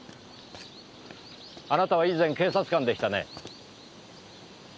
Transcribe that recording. あなたは以前警察官でしたね？